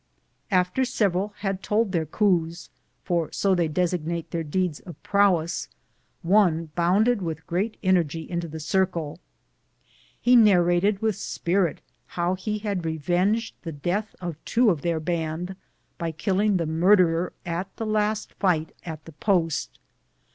After several had told their " coups," for so they des ignate their deeds of prowess, one bounded with great energy into the circle. lie narrated with spirit how he had revenged the death of two of their band by killing the murderer at the last fight at the post.